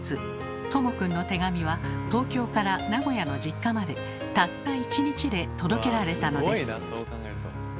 とも君の手紙は東京から名古屋の実家までたった１日で届けられたのです。